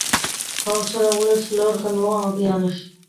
გავრცელებულია ჩრდილოეთ ყინულოვან ოკეანეში.